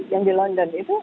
yang di london